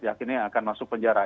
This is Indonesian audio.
yakinnya akan masuk penjara